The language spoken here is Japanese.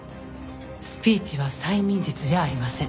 スピーチは催眠術じゃありません。